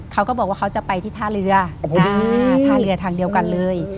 เขาก็บอกว่าเขาจะไปที่ท่าเรือท่าเรือทางเดียวกันเลย